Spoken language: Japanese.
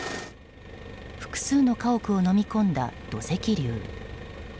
複数の家屋をのみ込んだ土石流。